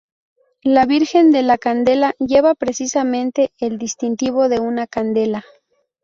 La Virgen de la Candela lleva precisamente el distintivo de una candela.